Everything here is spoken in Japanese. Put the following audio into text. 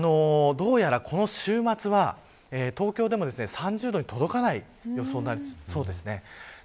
どうやら、この週末は東京でも３０度に届かない予想になりそうです。